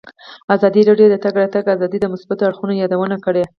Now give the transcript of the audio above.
ازادي راډیو د د تګ راتګ ازادي د مثبتو اړخونو یادونه کړې.